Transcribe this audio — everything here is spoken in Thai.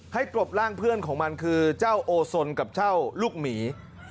กรบร่างเพื่อนของมันคือเจ้าโอสนกับเจ้าลูกหมี